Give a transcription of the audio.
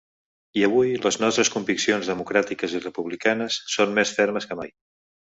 I avui les nostres conviccions democràtiques i republicanes són més fermes que mai.